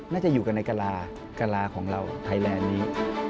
น่าจะอยู่กันในกะลากะลาของเราไทยแลนด์นี้